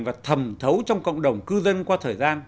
và thầm thấu trong cộng đồng cư dân qua thời gian